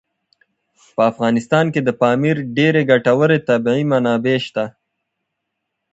په افغانستان کې د پامیر ډېرې ګټورې طبعي منابع شته دي.